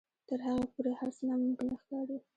تر هغې پورې هر څه ناممکن ښکاري.